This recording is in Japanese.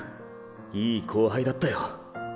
いい後輩だったよ。